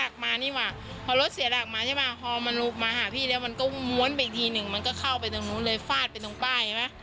ก็เข้าไปตรงนู้นไปฟาดตรงป้าย